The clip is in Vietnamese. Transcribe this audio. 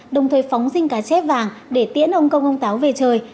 đồng thời phóng dinh cá chép vàng để tiễn ông công ông táo về trời